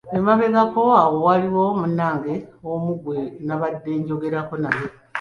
Emabegako awo waliwo munnange omu gwe nabadde njogerako naye.